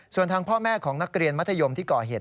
ส่วนทางพ่อแม่ของนักเรียนมัธยมที่ก่อเหตุ